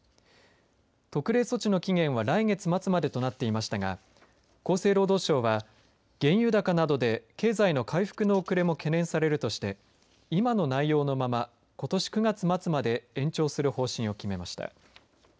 特例措置の期限は来月末までとなっていましたが厚生労働省は原油高などで、経済の回復の遅れも懸念されるとして今の内容のままことし９月末まで延長する方針を決めました。